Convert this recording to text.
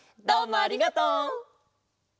どうもありがとう！